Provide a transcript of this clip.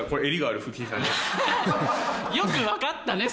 よく分かったね